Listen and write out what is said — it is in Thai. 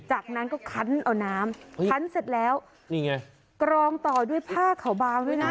จากนั้นก็คันเอาน้ำคันเสร็จแล้วนี่ไงกรองต่อด้วยผ้าขาวบางด้วยนะ